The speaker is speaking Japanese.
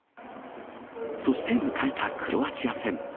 そして迎えたクロアチア戦。